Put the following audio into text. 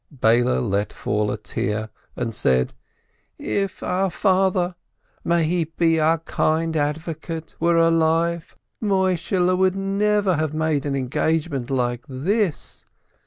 Beile let fall a tear and said : "If our father (may he be our kind advocate!) were alive, Moishehle would never have made an engagement like this.